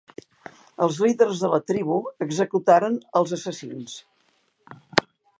Els líders de la tribu executaren als assassins.